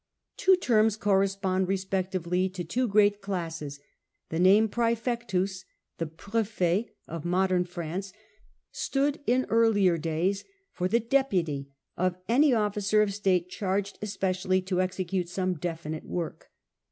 Two terms correspond respectively to two great classes. The name prcefecUcs^ the prS/H of modern France, stood in earlier days for the deputy of any officer of state charged specially to execute some definite work.